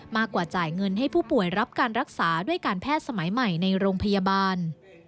มากกว่าจ่ายเงินให้ผู้ป่วยรับการรักษาด้วยการแพทย์สมัยใหม่ในโรงพยาบาล